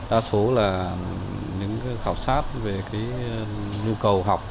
đa số là những khảo sát về cái nhu cầu học